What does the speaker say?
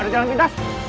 ada jalan pintas